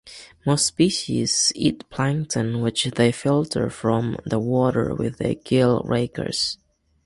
Most species eat plankton which they filter from the water with their gill rakers.